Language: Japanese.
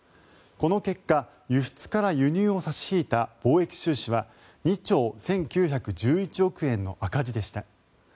この結果、輸出から輸入を差し引いた貿易収支は２兆１９１１億円の赤字でした。